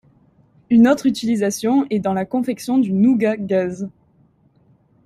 Une autre utilisation est dans la confection du nougat gaz.